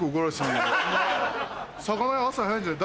朝早いんじゃない？